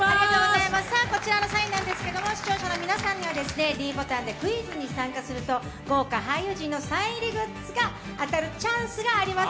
こちらのサインなんですけれども、視聴者の皆さんにはｄボタンでクイズに参加すると豪華俳優陣のサイン入りグッズが当たるチャンスがあります。